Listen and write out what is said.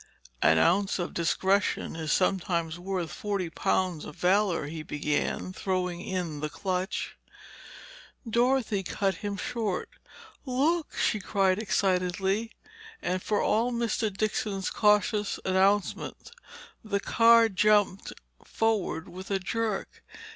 "An ounce of discretion is sometimes worth forty pounds of valor," he began, throwing in the clutch. Dorothy cut him short. "Look!" she cried excitedly, and for all Mr. Dixon's cautious announcement, the car jumped forward with a jerk.